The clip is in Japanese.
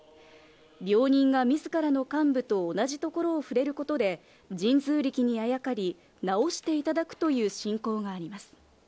病人がみずからの患部と同じところを触れることで神通力にあやかり、治していただくという信仰があります。